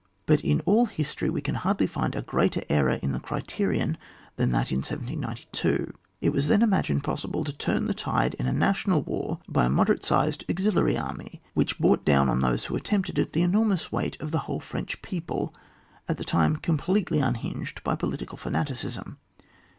But in all history we can hardly find a greater error in the criterion than that in 1792. It was then imagined possible to turn the tide in a national war by a moderate sized auxiliary army, which brought down on those who attempted it the enormous weight of the whole French people, at that time completely unhinged liy political fanaticism.